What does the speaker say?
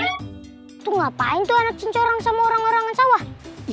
ia itu apaan tuh anak cincorang sama orang democracy